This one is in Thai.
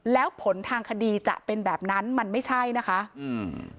แล้วผลทางคดีจะเป็นแบบนั้นมันไม่ใช่นะคะอืม